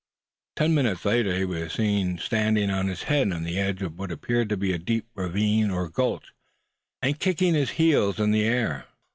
Ten minutes later he was seen standing on his head on the edge of what appeared to be a deep ravine or gulch, and kicking his heels in the air.